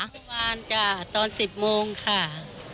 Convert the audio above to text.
ตั้งแต่กี่วันตอน๑๐โมงค่ะ